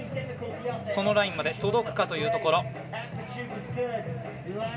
そのラインまで届くかというところ。